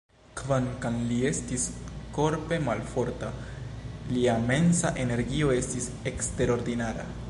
Kvankam li estis korpe malforta, lia mensa energio estis eksterordinara.